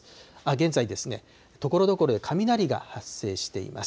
現在ですね、ところどころで雷が発生しています。